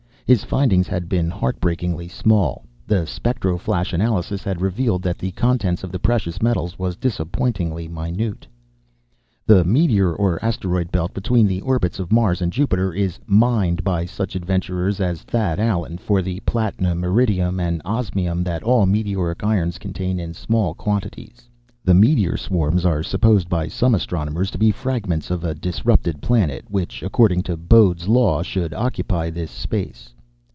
His findings had been heart breakingly small; the spectro flash analysis had revealed that the content of the precious metals was disappointingly minute. [Footnote 1: The meteor or asteroid belt, between the orbits of Mars and Jupiter, is "mined" by such adventurers as Thad Allen for the platinum, iridium and osmium that all meteoric irons contain in small quantities. The meteor swarms are supposed by some astronomers to be fragments of a disrupted planet, which, according to Bode's Law, should occupy this space.